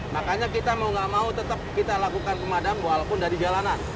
makanya kita mau gak mau tetap kita lakukan pemadam walaupun dari jalanan